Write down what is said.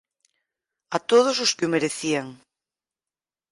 A todos os que o merecían.